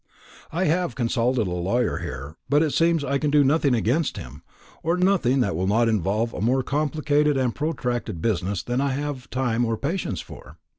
I have consulted a lawyer here, but it seems I can do nothing against him or nothing that will not involve a more complicated and protracted business than I have time or patience for.